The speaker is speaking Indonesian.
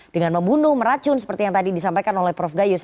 dengan membunuh meracun seperti yang tadi disampaikan oleh prof gayus